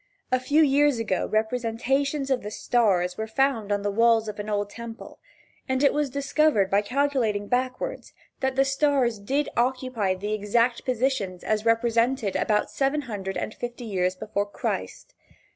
A few years ago representations of the stars were found on the walls of an old temple, and it was discovered by calculating backward that the stars did occupy the exact positions as represented about seven hundred and fifty years before Christ.